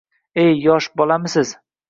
Ey, yosh bolamisiz